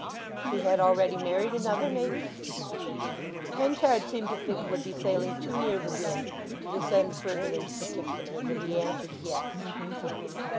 "She had already married another—maybe?" Henchard seemed to think it would be sailing too near the wind to descend further into particulars, and he answered "Yes."